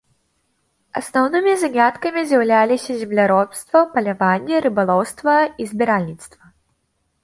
Асноўнымі заняткамі з'яўляліся земляробства, паляванне, рыбалоўства і збіральніцтва.